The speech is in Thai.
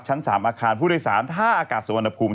ชั้น๓อาคารผู้โดยสาร๕อากาศสวรรณภูมิ